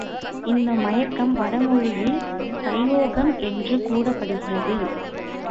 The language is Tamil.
இந்த மயக்கம் வடமொழியில் சையோகம் என்று கூறப்படுகிறது.